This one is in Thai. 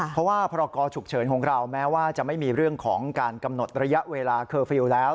เพราะว่าพรกรฉุกเฉินของเราแม้ว่าจะไม่มีเรื่องของการกำหนดระยะเวลาเคอร์ฟิลล์แล้ว